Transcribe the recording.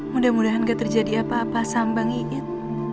mudah mudahan nggak terjadi apa apa sama bang iin